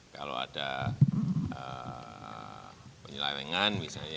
kalau ada penyelenggan misalnya